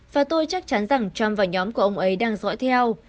và tôi chắc chắn rằng trump và nhóm của ông ấy đang dõi theo